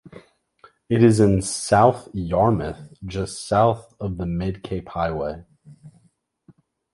It is in South Yarmouth, just south of the Mid Cape Highway.